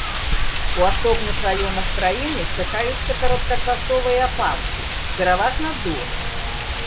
У асобных раёнах краіны чакаюцца кароткачасовыя ападкі, пераважна дождж.